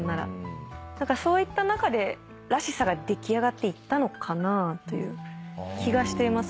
そういった中でらしさが出来上がっていったのかなという気がしています。